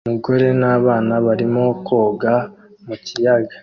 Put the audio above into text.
Umugore n'abana barimo koga mu kiyaga